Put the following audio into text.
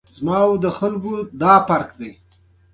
ژورې سرچینې د افغانستان د صادراتو برخه ده.